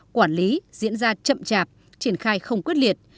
quản lý diễn ra chậm chạp triển khai không quyết liệt